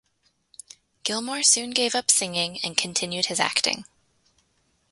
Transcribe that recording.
Gilmore soon gave up singing and continued his acting.